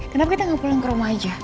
kenapa kita nggak pulang ke rumah aja